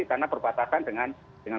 karena berbatasan dengan